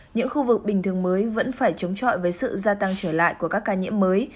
những khu vực bình thường mới vẫn phải chống trọi với sự gia tăng trở lại của các ca nhiễm mới